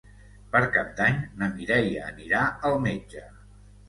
Per Cap d'Any na Mireia anirà al metge.